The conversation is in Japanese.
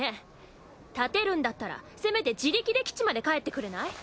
立てるんだったらせめて自力で基地まで帰ってくれない？